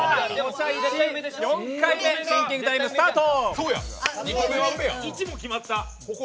４回目、シンキングタイムスタート。